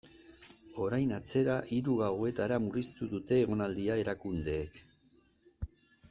Orain, atzera hiru gauetara murriztu dute egonaldia erakundeek.